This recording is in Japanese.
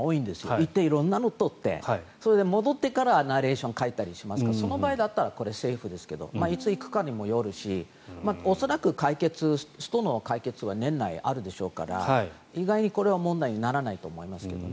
行って色々なものを撮って戻ってきてからナレーションをとったりしますがその場合だったらセーフですがいつ行くかにもよるし恐らくストの解決は年内あるでしょうから意外にこれは問題にならないと思います。